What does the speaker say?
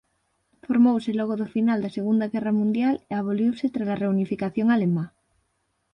Formouse logo do final da Segunda Guerra Mundial e aboliuse trala Reunificación alemá.